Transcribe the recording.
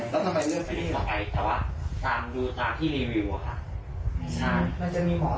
แล้วใช้เวลานานไม่ทำคือผมยังไม่รู้จริง